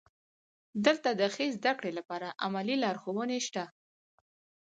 دلته د ښې زده کړې لپاره عملي لارښوونې شته.